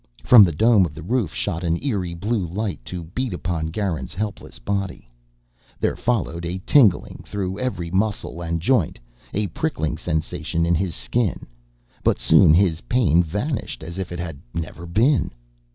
From the dome of the roof shot an eerie blue light to beat upon Garin's helpless body. There followed a tingling through every muscle and joint, a prickling sensation in his skin, but soon his pain vanished as if it had never been.